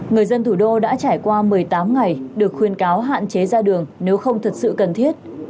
người dân thủ đô đã trải qua một mươi tám ngày được khuyên cáo hạn chế ra đường nếu không thật sự cần thiết